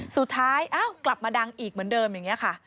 เอ้ากลับมาดังอีกเหมือนเดิมอย่างนี้ค่ะ